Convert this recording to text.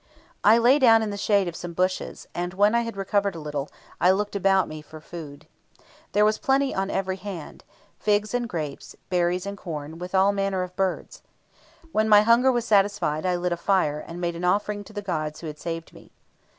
"I lay down in the shade of some bushes, and when I had recovered a little, I looked about me for food. There was plenty on every hand figs and grapes, berries and corn, with all manner of birds. When my hunger was satisfied, I lit a fire, and made an offering to the gods who had saved me.